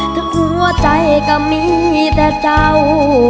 ถึงหัวใจก็มีแต่เจ้า